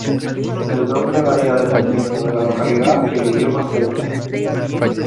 El nombre varía dependiendo de la localidad y el idioma celta.